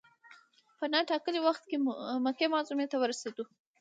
په نا ټا کلي وخت مکې معظمې ته ورسېدو.